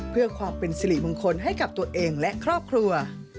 เพื่อความเป็นสิริมงคลให้กับตัวเองและครอบครัว